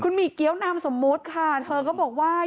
หมี่เกี้ยวนามสมมุติค่ะเธอก็บอกว่า